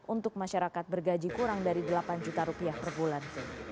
untuk masyarakat bergaji kurang dari delapan juta rupiah per bulan